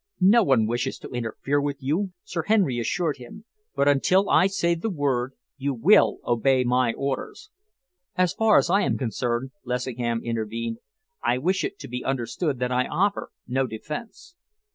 "No one wishes to interfere with you," Sir Henry assured him, "but until I say the word you will obey my orders." "So far as I am concerned," Lessingham intervened, "I wish it to be understood that I offer no defence."